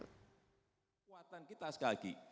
kekuatan kita sekali lagi